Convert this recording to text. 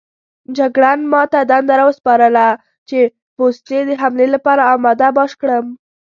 جګړن ما ته دنده راوسپارله چې پوستې د حملې لپاره اماده باش کړم.